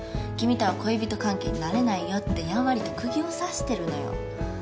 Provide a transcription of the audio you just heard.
君とは恋人関係になれないよってやんわりと釘を刺してるのよ。